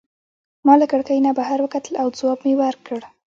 ما له کړکۍ نه بهر وکتل او ځواب مي ورکړ.